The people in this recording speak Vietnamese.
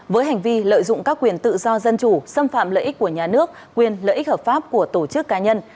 với hành vi lợi dụng các quyền tự do dân chủ xâm phạm lợi ích của nhà nước quyền lợi ích hợp pháp của tổ chức cá nhân